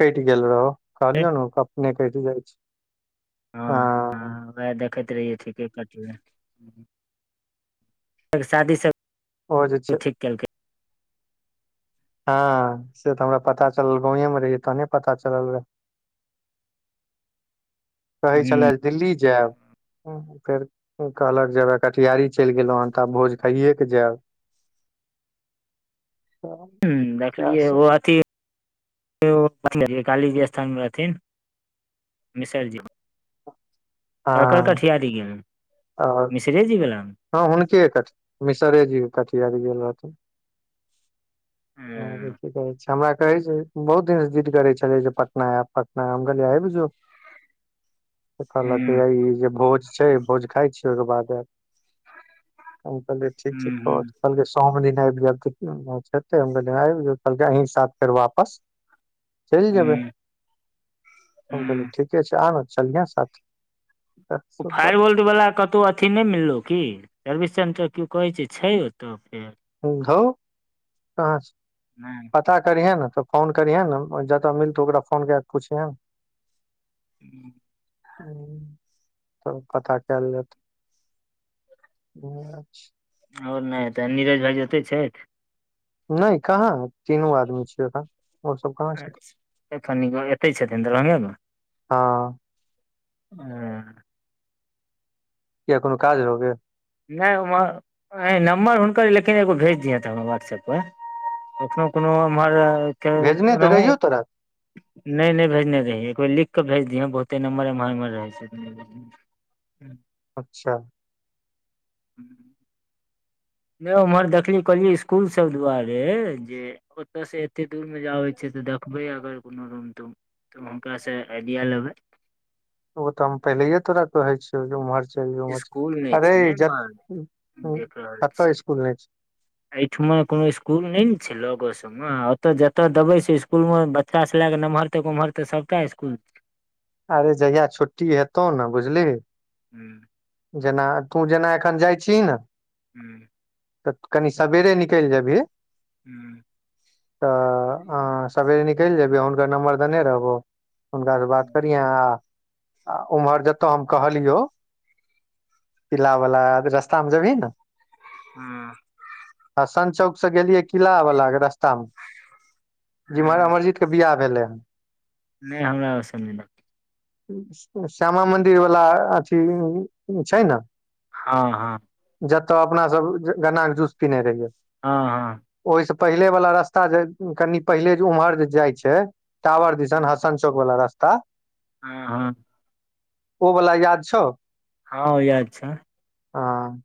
कटि गेल रहो हँ कहलिऔ ना अपनेै कटि जाइ छी हँ हँ वएह शादी सब ओ जे छै ठीक केलकै हँ से तऽ हमरा पता चलल गांवे मे रहिये तहने पता चलल रहै कहै छलै ह दिल्ली जायब फेर कहलक जेब कटहारी चलि गेलो हन तऽ आब भोज खाइे के जायब [inaudible] हंम्म सएह देखलियै सब ओ अथी कालीजी स्थानमे रहथिन मिसरजी ककर कठियारी गेलै और मिसरेजी वला हँ हुनके कऽ [unintelligible] मिसरेजी के कटियारी गेल रहथिन हँ तऽ कठ कहै छै [unintelligible] हमरा कहै छै बहुत दिनसँ जिंद करै छलेै जे पटना आयब पटना हम कहिलयै आब जौ तऽ कहलक हूँ यऽ ई जे भोज छै भोज खााय छी ओहिके बाद आब तबियत ठीक छौ हूँ तोहर हूँ कहलकै सोम दिन आबि जायब आबिल अहीं साथ फेर वापस चलि जेब हूँ हम कहली हूँ। ठीके छै आ ने चलिह साथऽ ओ फायर वोल्ट वाला कतौ अथी नहि मिललो की सर्विस सेंटर केो कहे छै छै ओतऽ फेर हुँ हउ कहाँ छै नहि पता करिहे ने तऽ फोन करिहेँ ने जतऽ मिलतौ ओकरा फोन कए कऽ पुछिहे ने हुँ हहुँ तब पता कयल जेतै हछ [unintelligible] आओर नहि तऽ नीरज भाइ ओते छैथ नहि कहाँ तीनू आदमी छियै ओ ओ सब कहाँ छै एखन एते छथिन दरभंगे हाँ हुँ किआ कोनो काज रहो की नहि नम्बर हुनकर लेकिन एगो भेज दिथा हमर व्हाट्सऐप पर एखनो कोनो एम्हर भेजने ओना तऽ हूं रहियौ तोरा नहि नहि भेज नहि भेज एकरबेर लिख कऽ भेज दिय बहुते नम्बर एम्हर उम्हर रहै छै ह ह [inaudible] अच्छा ह्म [inaudible] नहि उम्हर देखलिय कहलिय ईसकुल सब दुआरे जे ओतऽसँ एतेक दूरमे जाबै छियै तऽ देखबै अगर कोनो रूम तूम तऽ हुनकासँ आइडिया लेबै ओ तऽ हम पहिले है तोरा कहै छियोउ उम्हर चल जो स्कूल नहि उम्हर अरे छै ने एम्हर जऽ देख रहल कतऽ छी ईसकुल नहि छै एहिठमा कोनो स्कूल नहि ने छै लगो सब हॅं ओतय जतऽ देबे छै ईसकुल मे बच्चा सॅं लए कऽ नमहरतक ओमहरतक सबटा ईसकुल आरौ जहिया छुट्टी हेतौ न बुझलिही हुँ जेना तू जेना एखन जाइछीही न हूँ तऽ कनी सबेरे निकलि जेबही हुँ तऽ अ सबेरे निकलि जेबहि हुनकर नम्बर देने रहबो हुनकासँ बात नहि करिहे आ ओम्हर जतय हम कहलियौ किला वला रस्ता मे जबहि ना हुँ हसन चौक से गेलियै किला बला के रास्तामे जिम्हर अमरजी के बिआह भेलैन नइ हमरा ओस मे नइ श्यामा मंदिर वाला अथी जे छै न हां हां जतय अपना सब गन्ना के जूस पीने रहियै हँ हँ ओइ से पहिले वाला रस्ता जे कनि पहिले जे उम्हर जे जाइ छै टावर दिस हसनचक चौक वला रास्ता। आ हँ ओ वाला याद छौ? हँ याद छै। ह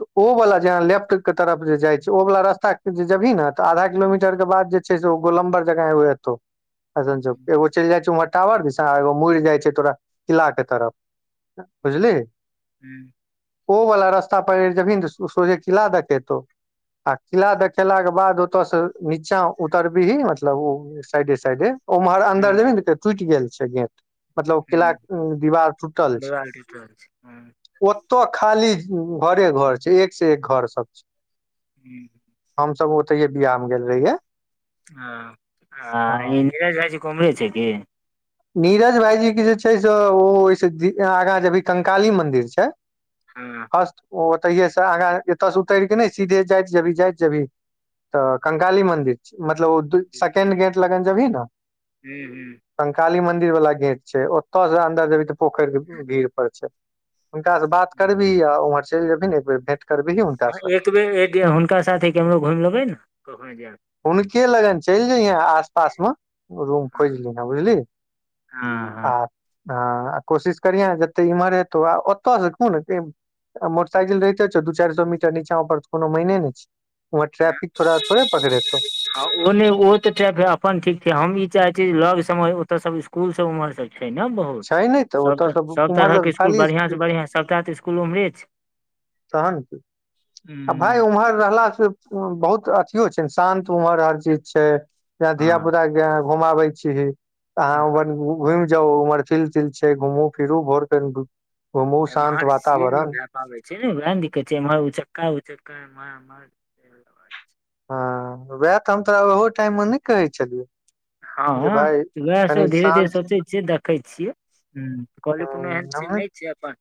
तऽ ओ वाला, जेहाँ लेफ्ट के तरफ जे जाइ छै, ओ वाला रास्ता जे जाइ ने तऽ आधा किलोमीटर के बाद जे। गोलम्बर जकाँ हुअतौ, हसनचक एगो चलि जाइ छै वहाँ। टावर दिसा एगो मुरि जाइ छै। तोरा किला के तरफ बुझलिही? ओ वाला रास्ता पर जइबहि ने तऽ सोझे किला देखेतौ। आ किला देखेलाक बाद ओतऽ सँ नीचा उतरबहि, मतलब ओ। साइडे साइडे उम्हर अन्दर जेबहि ने, तऽ टूटि गेल छै गेट। मतलब किला के दीवार टूटल छै। देवालटी त ओत खाली घरे घर छै, एक से एक घर सभ छै। हूँ हमसभ ओतहिए बियाह मे गेल रहियै हँ, ई हँ नीरज भायजी के उम्हरे छै की? नीरज भाईजी के जे छै से, ओ ओइसे आगाँ जेबहि कंकाली मन्दिर छै। हँ जस्ट ओतहिये सँ आगाँ, एतय सँ उतरि कऽ नहि, सीधे जाइत, जेबहि जाइत, जेबहि। तऽ कंंकाली मंन्दिर मतलब ओ सेकेंड गेट लग जेबही न। हू हू काली मंदिर वाला गेट छै, ओतय से अंन्दर जेबहि तऽ पोखर के भीड़ पर छै। हुनकासे बात करबिही आ उम्हर चलि जेबही ने एक बेर भेट करबिही। हँ, से एक बेर हुनका साथे केम्हरो घुमि लेबै ने, कखनो जायब। हुनकर लगन चलि जइते आसपासमे। रूम खोजलिहे, बुझलिही आ? हँ हँ, कोशिश करिहे जतऽ इम्हर हेतौ आ ओतयसँ खुब ने। आ मोटरसाइकिल रहिते छै, दू चारि सए मीटर नीचा ऊपर कोनो मायने नहि छै। वहाँ ट्रैफिक तोरा थोड़े पकड़ेत? हँ, ओ नहि, ओ तऽ छै अपन ठीक छै। हम ई चाहै छी, लगसम ओतऽ सभ ई। स्कूल सभ उम्हर सभ छै ने, बहुत छै नहि तऽ ओतऽ सब, सभ उम्हर सब तरहके स्कूल, खाली बढ़िया से बढ़िया। सभटा तऽ ई स्कूल ओम्हरे छै। तहन आ भाय हँ उम्हर रहलास से। बहुत अथियो छै, शान्त ओम्हर हर चीज छै यऽ, धिया पुता। घुमाबै छी हँ अहाँ घुमि जाउ ओम्हर, फिल तिल छै, घुमू फिरू, भोर फेर घुमू, शान्त वातावरण। बेसी नेरा दिक्कत छै रऽ, उचक्का उचक्क। हँ, उएह तऽ हम तोरा ओहो टाइममे नहि कहै छलियौ। जे हँ, भाय उएह सभ कनि धीरे धीरे शान्त सोचै छियै, देखै छियै। हँ, कहली, कोनो एहन चीज हम नहि छै अपन।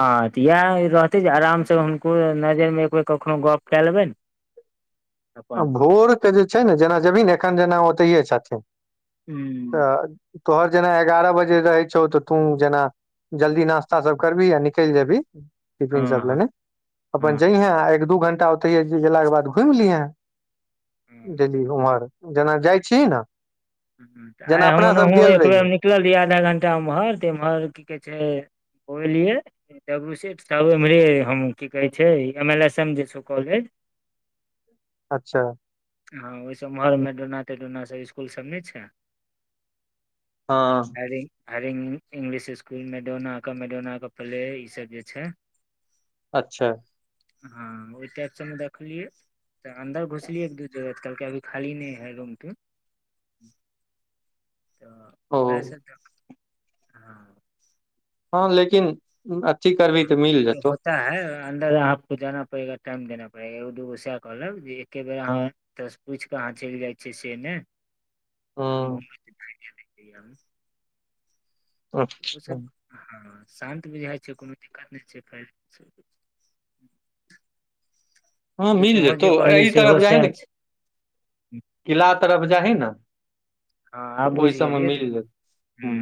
हँ, तऽ इएह रहतै जे आरामसँ हुनको नजरिमे एक बेर कखनो गप कऽ लेबनि। अपन भोरके जे छै ने, जेना जेबी एखन जेना ओतहिए छथिन। हू तऽ तोहर जेना एगारह बजे रहै छौ तऽ तू जेना जल्दी नास्ता सभ करबी आ निकलि जेबी टिफिन हँ सभ हँ लेने अपन हँ जइहे आ एक दू घंटा ओतहि गेलाक बाद घुमि लिहे। हम्म, डेली ओम्हर जेना जाइ छी ने? हँ, तऽ जेना आइ हम अपना सब ओनहुँ गेल एक रहियौ बेरमे निकल रहियै, आधा घंटा उम्हर तऽ एम्हर की कहै छै? बोझलियए तऽ से उम्हरे हम की कहे छै एम एल एस एम जे छौ कॉलेज अच्छा हँ ओहि सँ उम्हर मेडोना तेडोना सब स्कुल सब नहि छै हँ Hari Hari English school Madonna क मेडोना प्ले ई सब जे छै अच्छा हँ ओहि प सब मे देखलियै तऽ अन्दर घुसलियै एक दू आजकल के अभी खाली नहि है रूम तुम तऽ ओ वैसे तऽ [unintelligible] हँ लेकिन अथी करबही तऽ मिल जेतौ अच्छा है अन्दर अहक जाना परेगा टाइम देना पड़ेगा ओ दूगो सेह कहलक जे एके बेर अहाँ एत पूछि केऽ अहाँ चलि जाइ छियै से ने घू हँ [unintelligible] अच्छा हँ शान्त बुझाइ छै कोनो दिक्कत नहि छै फ [unintelligible] हँ तऽ मिल तोहूँ जे जेतौ कहली एहि सेहो तरफ जाइ सएह ने छै किला तरफ जा ही ने हँ तऽ आब ओहि बुझि सबमे गेलियै तू मिल हूँ जेतै हँ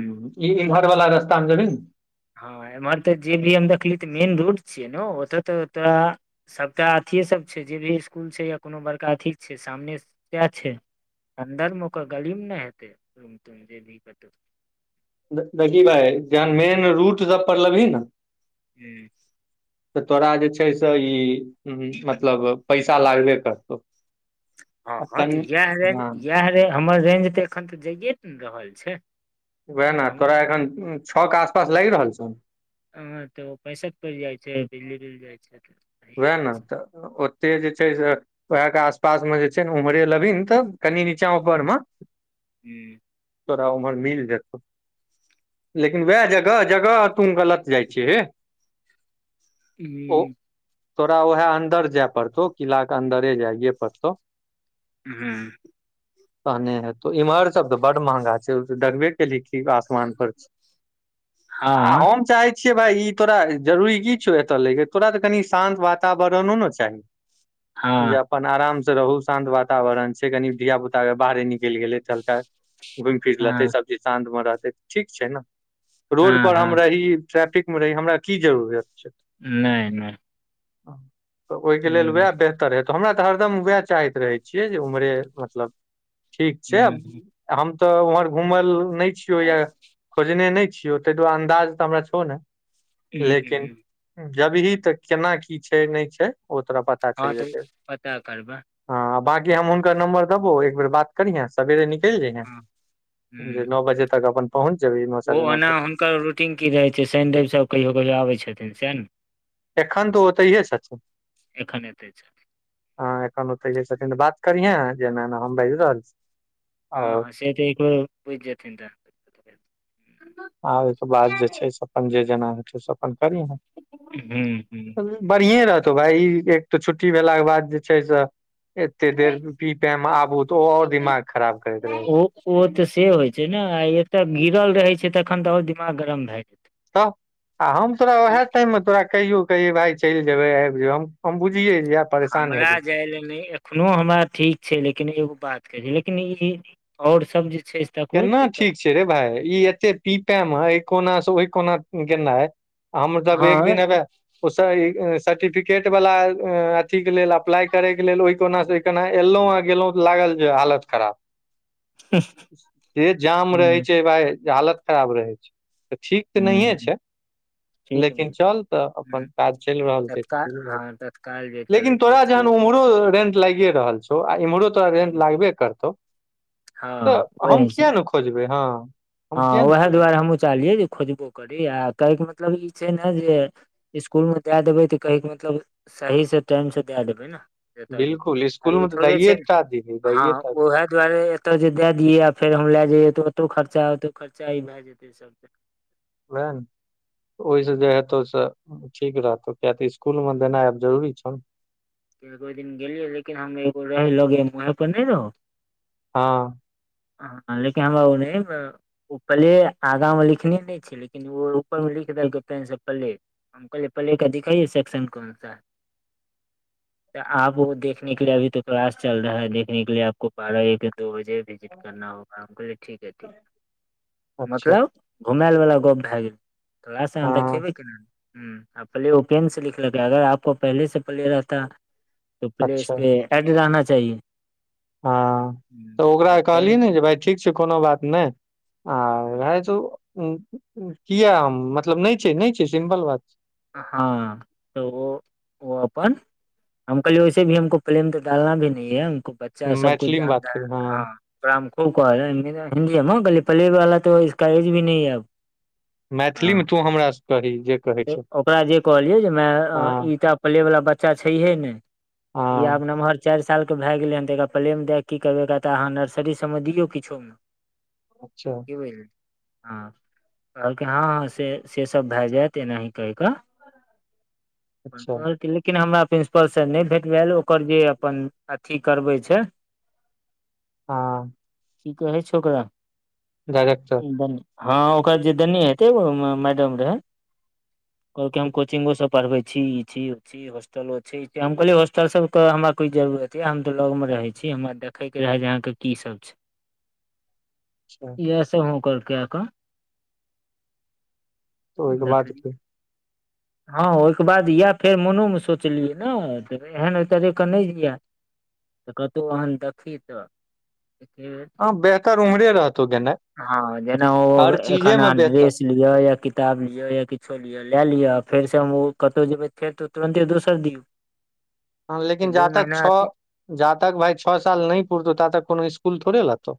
ई इम्हर वला रास्ता मे जेभीना हँ हमर तऽ जे भी हम देखलिय तऽ मेन रोड छियै ने ओतऽ तऽ तोरा सबटा अथि सब छै जे भी स्कुल छै या कोनो बड़का अथी छै सामने सएह छै अन्दर मे ओकर गलीमे नहि हेतै रूम तुम जे भी देखी भाय जेहन मेन रूट सब पलेबी ने हूँ तऽ तोरा जे छै से ई हँ मतलब पैसा लागबे करतौ हँ आ हँ तऽ कनि इएह रेंज हँ इएहे हमर रेंज तऽ एखन तऽ जाइए ने रहल छै वएह तऽ ने हम तोरा एखन छओ के आसपास लागि रहल छौ हँ तऽ पैसा तऽ पड़ि जाइ छै बिजली बिल जाइ छै उएह रहै ने छै। तऽ ओतेक जे छै से उएहके आसपास मे जे छै ने उम्हरे लभीन तऽ कनि नीचा ऊपर मे हूँ तोरा उम्हर मिल जेत‌उ लेकिन वएह जगह जगह तुं गलत जाइ छी ही हूंम्म तोरा उएह अन्दर जाय पड़तौ किलाक के अन्दरे जाइयए पड़तौ हूँ तहने हतौ इम्हर सब तऽ बड़ महंगा छै देखबे कैलही आसमान पर छी आ हँ हम चाहै छी छीयै भाय ई तोरा जरूरी की छौ एतय लैके तोरा तऽ कनि शान्त वातावरणो ने चाही हँ जाप ओना आराम से रहू शान्त वातावरण छै कनि धिया पुताक के बाहरे निकैल गेलै चलतै घुमि फिर लेतै हँ सब चीज शान्त मे रहतै ठीक छै ने रोड हँ पर हम हँ रही ट्रैफिक मे रही हमरा की जरूरत छै नैय नैय तऽ ओहिके लेल वएह वेह तर हेतौ हमरा तऽ हरदम उएह चाहैत रहै छियै जे उम्हरे मतलब ठीक छै हूँ आ हम तऽ उमहर घूमल नहि छियौ या खोजने नहि छियौ ताहि दुआरे अन्दाज तऽ हमरा छौ ने हूँ, लेकिन हूँ, जेबही तक केना की छै नहि छै ओ तोरा पता हँ चलि तऽ जेतै पता करबै हँ बाँकी हम हुनकर नम्बर देबौ एक बेेर बात करीहें सबेरे निकलि जइहे हँ जे हूँ, नौ बजे तक अपन पहुँच जेबैही ओ अना हुनकर रूटीन की रहै छैय शैन रैब सब कहियो कहियो आबै छथिन सएह न एखन तऽ ओतैहे छथि एखन एतै हँ एखन ओ तै हे छथिन बात करिहें जे एना एना हम बाजि रहल छी हँ आओर हँ से तऽ बुझ जाथिन आ ओहिके बाद जे छै से अपन जे जेना होइ छै से अपन करीहाँ हुँ हुँ बढ़िए रहतौ भाय ई एक तऽ छुट्टी भेलाके बाद जे छै से एते देर पी पे मे आबू तऽ आऔर दिमाग खराब करैत रहे छै ओ ओ तऽ से होइ छै ने आ एतय गिरल रहै छै तखन तऽ आओर दिमाग गरम भए जेतै तऽ आ हम तोरा ई ओएह टाइम मे तोरा कहियो कहियै भााय चलि जेबै आबि जय हम बुझियए जे परेशान हेबही हमरा जाय ले नैय एखनो हमरा ठीक छै लेकिन एगो बात कहै छै लेकिन ई और सब जे छैय केना ठीक छै रे भााय ई एते पीपएमे एहि कोनासँ ओहि कोना केेना हम सब हँ एक दिन हबे ओ सर्टिफिकेट वाला अथी के लेल अप्लाई करय के लेल ओहि कोना से ओ केना एलहुँं गेलहुं तऽ लागल जे हालत खराब [inaudible] से जाम रहै हूँ छै भाई हालत खराब रहै छै तऽ ठीक तऽ नहिए हूँ छै ठीक मिल लेकिन चल तऽ हूँ अपन काज चलि रहल छै तऽ तत्काल चल रहल हँ तत्काल जे लेकिन चलै छै तोरा से जहन उमहर रेंट लागिए रहल छौ आ इम्हरो तोरा रेंट लागबे करतौ तऽ हँ ओहि हम हिसाब किया नहि खोजबै हां हँ उएह दुआरे हमहूँ चाहलियै जे खोजबो करी आ कहैके मतलब ई छै न जे इसकुल मे दए देबै तऽ कहैके मतलब सही से टाइम से दए देबै न बिल्कुल आई स्कूलमे तऽ थोड़े छै दैये ने टा दीही हँ दैये टा दीही ओहे दुआरे ओतय जे दए दियै आ फेर हम लए जइयए तऽ ओतौ खर्चा ओतौ खर्चा ई भए जेतै सबसँ उहा न ओहिसँ जे हेतौ से ठीक रहतौ किय तऽ इसकुलमे देनाइ आब जरूरी छौ न कोइ दिन गेलिय लेकिन हम एगो रह लोगे वह पर नहि रहौ हां हँ लेकिन हमरा ओ पले आगा मे लिखने नहि छलै। लेकिन ओ ऊपर मे लिख देलकै तैसे पले हम कहले पले के दिखाइ से्क्शन कोन सा है तऽ आब ओ देखने के लए अभी तो क्लास चल रहा है देखने के लि आपको बारह एक दो बजे विजिट करना होगा हम कहलिऐ ठीक ह ठीक अच्छा मतलब घुमाय वला गप भए गेल तऽ एहसँ अहाँ हँ देखेबे केना हुँ प्ले ओ पेन से लिखलकै अगर आपको पहले से प्ले रहता त पेलेस अच्छा पे एड लाना चाहिए हँ हम्म, तऽ आ ओकरा कहलही पेन ने जे भाय ठीक छै कोनो बात नय आ रहै छौ ऊ किया मतलब नय छै नय छै सिम्पल बात छै हँ तऽ ओ ओ अपन हम कहलियै वैसे भी हमको प्र्लेम तऽ डालना भी नी है हमको बच्चा छै सबकुछ मैथिलीमे बात जानता है करू हँ ओकरा हम खूब कहलियै हिन्दी गली पले वाला त इसका एज भी नहीं है अब मैथिलीमे तू हमराास कही जे कहै तऽ छौ ओकरा जे कहलियै जे म हँ ईटा प्लेवला बच्चा छैहे नैय ई हँ आब नम्हर चारि साल के भए गेलै हन तऽ एकरा प्ले मे दए कऽ की करबै एकऽ त अहाँ नर्सरी सबमे दियौ किछो मे अच्छा कि बूझली हाँ कहलक हँ ह से से सब भए जायत तेनाही कही क आ अपन अच्छा तोहर क्लिक लेकिन हमरा प्रिंसिपल स नय भेट भेल ओकर जे अपन अथी करबे छै हँ की कहै छै ओकरा डायरेक्टर एकदम हँ जी ओकरा जे देने हेतै ओइमे मैडम रहे कहलकै हम कोचिंगो से पढ़बै छी ई छी ओ छी ई हॉस्टलो छै हम कहलिय हॉस्टल सब के हमरा कोई जरूरत य हम तऽ लग मे रहे छी हम देखैके रहै जे अहाँके की सब छै अच्छा तै से हूनकर कै कऽ तऽ ओहिके बाद देखलियै [inaudible] हँ ओहिके बाद इएह फेर मोनोमे सोचलियै ने एहन एहि तरहके नय जिए तऽ कतौ ओहन देखी तऽ एके बेर हां बेहतर उम्हरे रहातौ देनाय हँ जेना ओ एखन अहा बेहतर ड्रेस लिअ या किताब लिअ लिअ या किछो लिअ लए लिअ फेर से हम कतहु जेबै फेर तुरन्ते दोसर दियौ लेकिन दू जातक छौ महीना जातक भाय छौ साल नय पुरतौ ताातक कोनो स्कुल थोड़े लेतौ